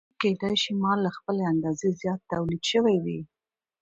یا کېدای شي مال له خپلې اندازې زیات تولید شوی وي